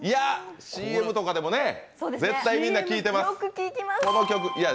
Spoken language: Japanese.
ＣＭとかでも絶対みんな聴いてます。